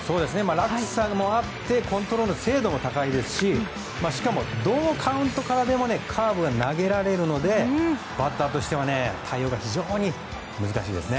落差もあってコントロール、精度も高いですししかも、どのカウントからでもカーブが投げられるのでバッターとしては対応が非常に難しいですね。